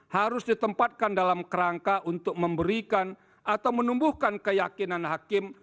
harus ditempatkan dalam kerangka untuk memberikan atau menumbuhkan keyakinan hakim